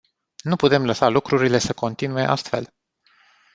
Nu putem lăsa lucrurile să continue astfel.